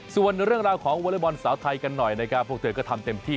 ส่วนเรื่องราวของวอเล็กบอลสาวไทยกันหน่อยนะครับพวกเธอก็ทำเต็มที่